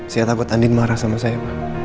saya takut andin marah sama saya